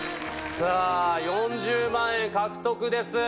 さぁ４０万円獲得です